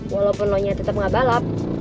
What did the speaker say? walaupun lo nya tetep gak balap